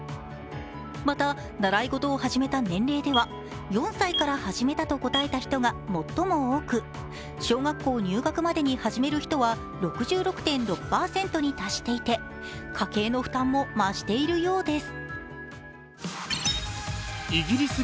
また、習い事を始めた年齢では４歳から始めたと答えた人が最も多く、小学校入学までに始める人は６６．６％に達していて家計の負担も増しているようです。